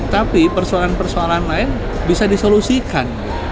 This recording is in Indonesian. tapi persoalan persoalan lain bisa disolusikan